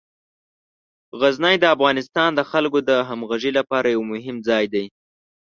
غزني د افغانستان د خلکو د همغږۍ لپاره یو مهم ځای دی.